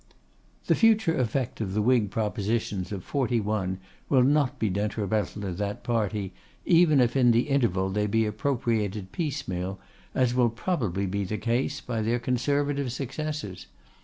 The future effect of the Whig propositions of '41 will not be detrimental to that party, even if in the interval they be appropriated piecemeal, as will probably be the case, by their Conservative successors.